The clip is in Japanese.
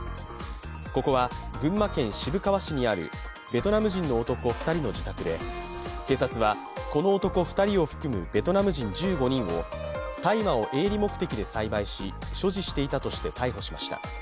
ここは群馬県渋川市にあるベトナム人の男２人の自宅で、警察はこの男２人を含むベトナム人１５人を大麻を営利目的で栽培し、所持していたとして逮捕しました。